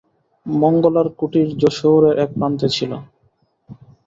মঙ্গলার কুটীর যশোহরের এক প্রান্তে ছিল।